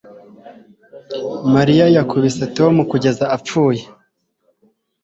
Mariya yakubise Tom kugeza apfuye